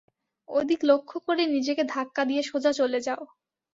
ওদিক লক্ষ্য করে নিজেকে ধাক্কা দিয়ে সোজা চলে যাও।